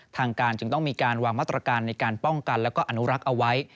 ทางการจึงต้องมีการวางมาตรการในการป้องกันแล้วก็อนุรักษ์เอาไว้